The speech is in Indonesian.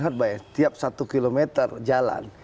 mas reinhardt tiap satu kilometer jalan